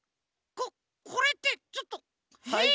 ここれってちょっとえっ？